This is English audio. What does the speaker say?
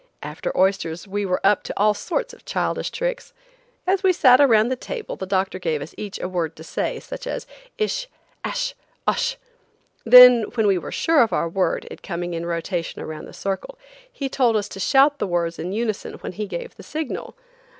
After oysters we were up to all sorts of childish tricks. As we sat around the table the doctor gave us each a word to say, such as Ish! Ash! Osh! Then when we were sure of our word, it coming in rotation around the circle, he told us to shout the words in unison when he gave the signal.